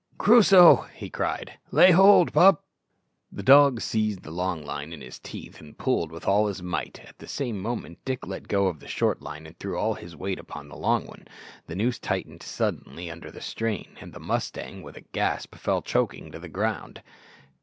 "Crusoe," he cried, "lay hold, pup!" The dog seized the long line in his teeth and pulled with all his might. At the same moment Dick let go the short line and threw all his weight upon the long one. The noose tightened suddenly under this strain, and the mustang, with a gasp, fell choking to the ground.